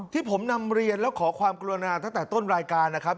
ที่ผมนำเรียนแล้วขอความกรุณาตั้งแต่ต้นรายการนะครับ